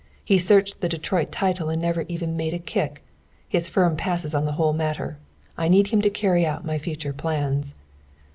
He searched the Detroit title and never even made a kick. His firm passed on the whole matter. I need him to carry out my future plans."